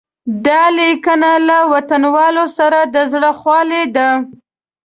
دا لیکنه له وطنوالو سره د زړه خواله ده.